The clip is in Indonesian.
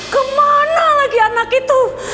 kemana lagi anak itu